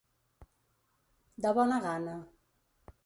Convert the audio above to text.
De bona gana.